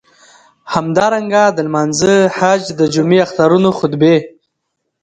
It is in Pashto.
همدارنګه د لمانځه، حج، د جمعی، اخترونو خطبی.